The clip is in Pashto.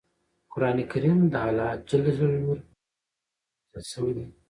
قران کریم دالله ج له لوری په محمد ص نازل شوی دی.